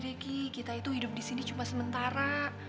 udah deh ki kita itu hidup disini cuma sementara